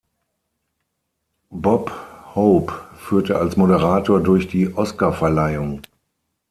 Bob Hope führte als Moderator durch die Oscarverleihung.